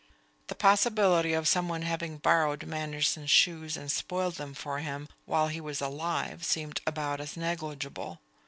The possibility of someone having borrowed Manderson's shoes and spoiled them for him, while he was alive, seemed about as negligible.